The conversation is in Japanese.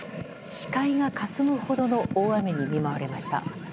視界がかすむほどの大雨に見舞われました。